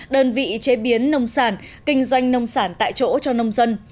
đơn vị chế biến nông sản kinh doanh nông sản tại chỗ cho nông dân